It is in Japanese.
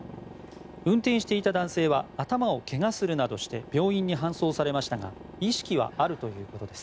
運転していた男性は頭をけがするなどして病院に搬送されましたが意識はあるということです。